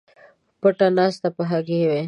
پټه ناسته په هګۍ وای